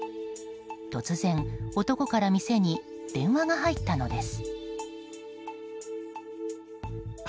突然、男から店に電話が入ったのです。